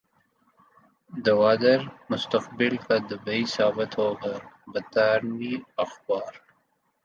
گوادر مستقبل کا دبئی ثابت ہوگا برطانوی اخبار